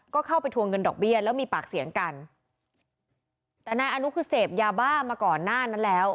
ก็เข้าไปทวงเงินดอกเบี้ยแล้วมีปากเสียงกันแต่นายอนุคือเสพยาบ้ามาก่อนหน้านั้นแล้ว